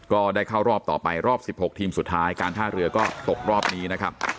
ก็ได้เข้ารอบต่อไปรอบ๑๖ทีมสุดท้ายการท่าเรือก็ตกรอบนี้นะครับ